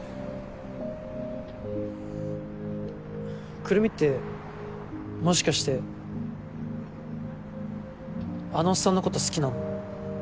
くるみってもしかしてあのオッサンのこと好きなの？